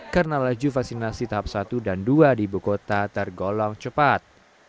karena laju vaksinasi tahap satu dan dua di ibu kota tergolong cepat